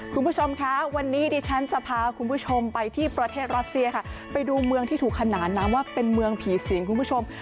คุณผู้ชมคะวันนี้ดิฉันจะพาคุณผู้ชมไปที่ประเทศรัสเซียค่ะไปดูเมืองที่ถูกขนานนามว่าเป็นเมืองผีสิงคุณผู้ชม